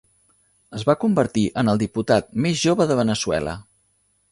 Es va convertir en el diputat més jove de Veneçuela.